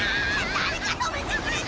だれか止めてくれだ！